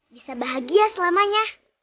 bisa bahagia selamanya